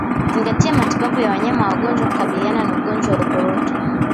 Zingatia matibabu ya wanyama wagonjwa kukabiliana na ugonjwa wa ukurutu